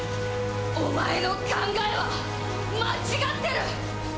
お前の考えは間違ってる！